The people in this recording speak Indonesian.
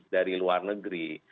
dari luar negeri